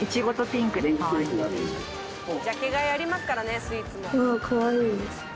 ジャケ買いありますからねスイーツも。